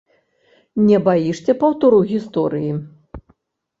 Не баішся паўтору гісторыі?